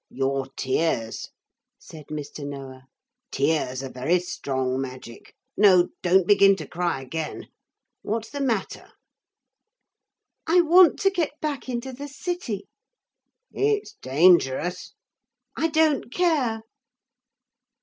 'Your tears,' said Mr. Noah. 'Tears are very strong magic. No, don't begin to cry again. What's the matter?' 'I want to get back into the city.' 'It's dangerous.' 'I don't care.'